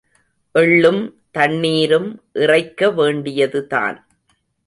எள்ளும் தண்ணீரும் இறைக்க வேண்டியதுதான்.